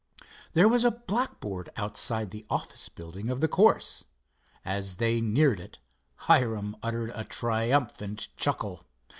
There was a blackboard outside the office building of the course. As they neared it Hiram uttered a triumphant chuckle.